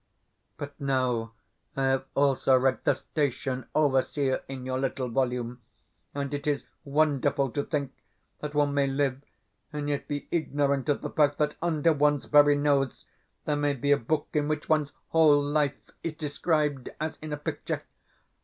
But now I have also read "The Station Overseer" in your little volume; and it is wonderful to think that one may live and yet be ignorant of the fact that under one's very nose there may be a book in which one's whole life is described as in a picture.